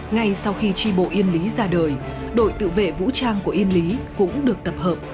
ngay sau khi tri bộ yên lý ra đời đội tự vệ vũ trang của yên lý cũng được tập hợp